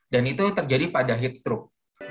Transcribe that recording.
itu terjadi pada heat stroke